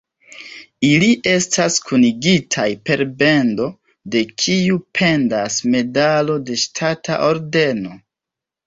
Ili estas kunigitaj per bendo, de kiu pendas medalo de ŝtata ordeno.